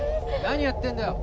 何やってんだよ。